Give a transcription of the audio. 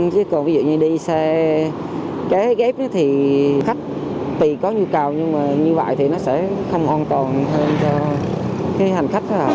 chứ còn ví dụ như đi xe kế ghép thì khách tùy có nhu cầu nhưng mà như vậy thì nó sẽ không an toàn hơn cho hành khách